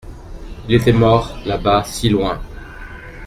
Il était mort là-bas, si loin.